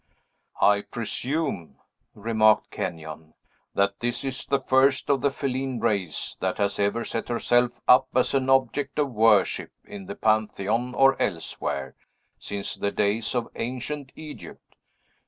"I presume," remarked Kenyon, "that this is the first of the feline race that has ever set herself up as an object of worship, in the Pantheon or elsewhere, since the days of ancient Egypt.